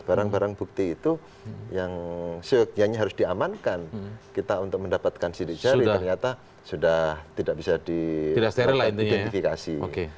barang barang bukti itu yang sekiannya harus diamankan kita untuk mendapatkan sidik jari ternyata sudah tidak bisa diidentifikasi